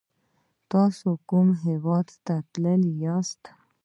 تاسو کوم هیواد ته تللی یاست؟